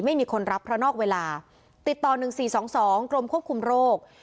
ไม่มีคนรับเพราะนอกเวลาติดต่อหนึ่งสี่สองสองกรมควบคุมโรค